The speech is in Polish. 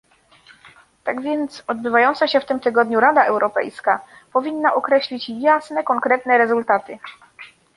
Tak więc odbywająca się w tym tygodniu Rada Europejska powinna określić jasne, konkretne rezultaty